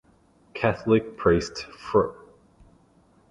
Catholic priest Fr.